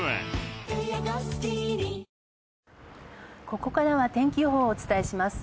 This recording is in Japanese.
ここからは天気予報をお伝えします。